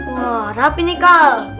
wah rapi nih kak